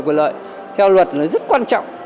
quyền lợi theo luật rất quan trọng